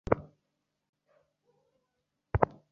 লাবণ্য হেসে বললে, লোকটা তবু যদি অমান্য করে চলে যায়?